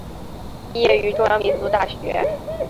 毕业于中央民族大学。